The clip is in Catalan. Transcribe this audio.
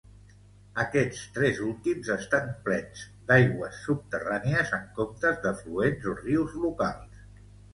Aquests tres últims estan plens d'aigües subterrànies, en comptes d'afluents o rius locals.